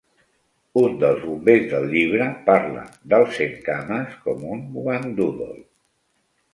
Un dels bombers del llibre parla del centcames com un Whangdoodle.